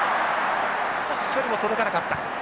少し距離も届かなかった。